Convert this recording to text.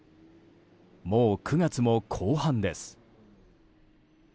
もう、９月も後半です。